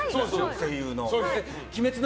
声優の。